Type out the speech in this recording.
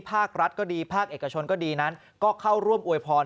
ภาครัฐก็ดีภาคเอกชนก็ดีนั้นก็เข้าร่วมอวยพร